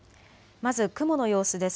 まず雲の様子です。